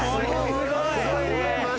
すごいね。